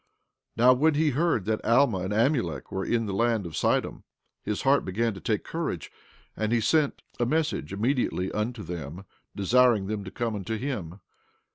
15:4 Now, when he heard that Alma and Amulek were in the land of Sidom, his heart began to take courage; and he sent a message immediately unto them, desiring them to come unto him.